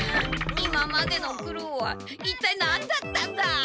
今までのくろうは一体何だったんだ！